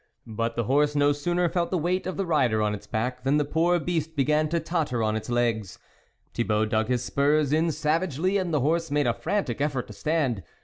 But the horse no sooner felt the weight of the rider on its back than the poor beast began to totter on its legs. Thibault dug his spurs in savagely, and the horse made a frantic effort to stand.